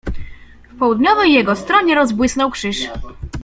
W południowej jego stronie rozbłysnął Krzyż.